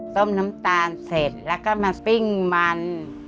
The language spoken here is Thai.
ต้มน้ำตาลเสร็จแล้วก็มาปิ้งมัน